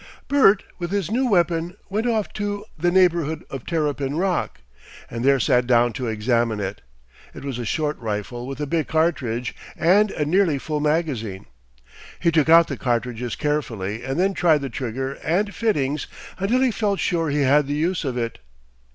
Bert, with his new weapon went off to the neighbourhood of Terrapin Rock, and there sat down to examine it. It was a short rifle with a big cartridge, and a nearly full magazine. He took out the cartridges carefully and then tried the trigger and fittings until he felt sure he had the use of it.